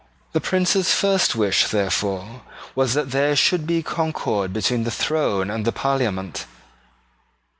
The Prince's first wish therefore was that there should be concord between the throne and the Parliament.